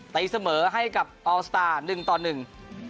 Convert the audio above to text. ตีเสมอให้กับออลสตาร์หนึ่งต่อหนึ่ง